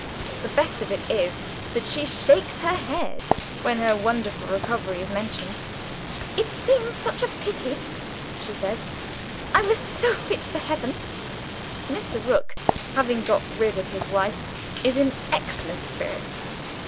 The best of it is that she shakes her head, when her wonderful recovery is mentioned. 'It seems such a pity,' she says; 'I was so fit for heaven.' Mr. Rook having got rid of his wife, is in excellent spirits.